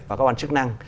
và các quan chức năng